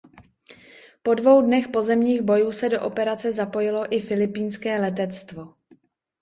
Po dvou dnech pozemních bojů se do operace zapojilo i filipínské letectvo.